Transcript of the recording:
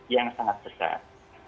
yang sangat besar